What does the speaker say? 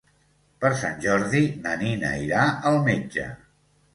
Per Sant Jordi na Nina irà al metge.